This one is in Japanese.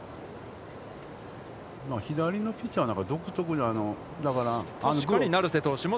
左ピッチャーなんか独特な。